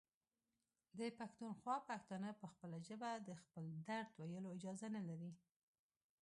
د پښتونخوا پښتانه په خپله ژبه د خپل درد ویلو اجازه نلري.